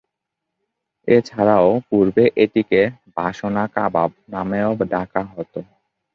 এছাড়াও পূর্বে এটিকে "বাসনা কাবাব" নামেও ডাকা হতো।